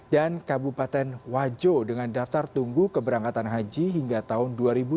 dan kabupaten wajo dengan daftar tunggu keberangkatan haji hingga tahun dua ribu enam puluh